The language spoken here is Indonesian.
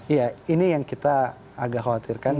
iya ini yang kita agak khawatirkan